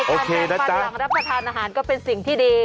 แปลงฟันหลังรับประทานอาหารก็เป็นสิ่งที่ดี